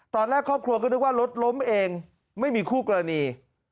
ตอนแรกครอบครัวก็นึกว่ารถล้มเองไม่มีคู่กรณี